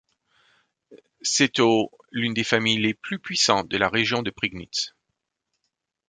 C'est au l'une des familles les plus puissantes de la région de Prignitz.